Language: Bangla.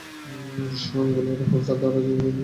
আঞ্জলি আর রাহুল তারা দুজন দুজনার জন্য সৃষ্টি হয়েছে।